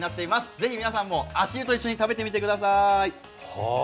ぜひ皆さんも足湯と一緒に食べてみてください。